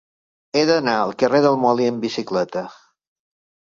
He d'anar al carrer del Molí amb bicicleta.